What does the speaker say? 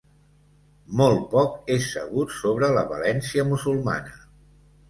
Molt poc és sabut sobre la València musulmana.